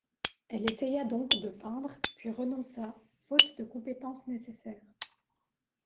Elle essaya donc de peindre puis renonça faute de compétences nécessaires.